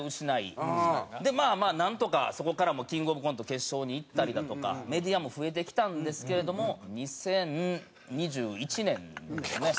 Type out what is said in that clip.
でまあまあなんとかそこからキングオブコント決勝にいったりだとかメディアも増えてきたんですけれども２０２１年ですね